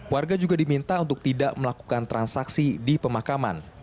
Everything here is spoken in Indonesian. warga juga diminta untuk tidak melakukan transaksi di pemakaman